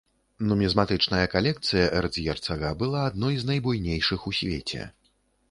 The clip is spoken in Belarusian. Нумізматычная калекцыя эрцгерцага была адной з найбуйнейшых у свеце.